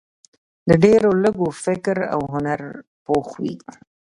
د ډېرو لږو فکر او هنر پوخ وي.